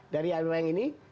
jadi kemudian mereka memang